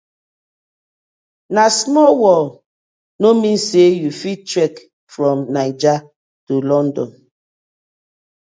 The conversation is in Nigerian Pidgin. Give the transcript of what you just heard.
Na small world no mean say you fit trek from Naija go London: